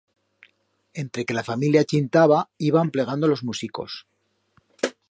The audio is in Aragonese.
Entre que la familia chintaba, iban plegando los musicos.